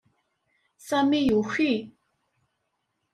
Sami yuki.